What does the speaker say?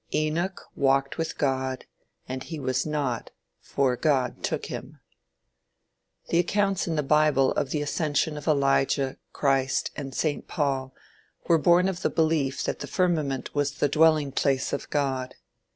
"Enoch walked with God, and he was not, for God took him." The accounts in the bible of the ascension of Elijah, Christ and St. Paul were born of the belief that the firmament was the dwelling place of God.